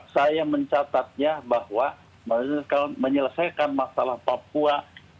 saya mencatatnya bahwa menyelesaikan masalah papua